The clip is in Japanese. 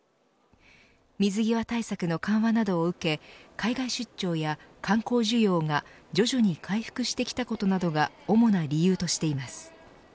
水際対策の緩和などを受け海外出張や観光需要が徐々に回復してきたことなどが主な理由としています。